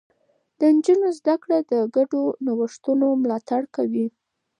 د نجونو زده کړه د ګډو نوښتونو ملاتړ کوي.